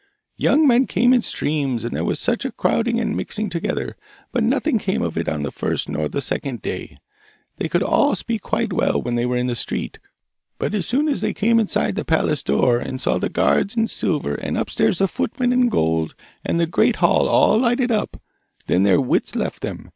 'Young men came in streams, and there was such a crowding and a mixing together! But nothing came of it on the first nor on the second day. They could all speak quite well when they were in the street, but as soon as they came inside the palace door, and saw the guards in silver, and upstairs the footmen in gold, and the great hall all lighted up, then their wits left them!